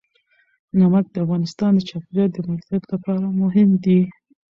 نمک د افغانستان د چاپیریال د مدیریت لپاره مهم دي.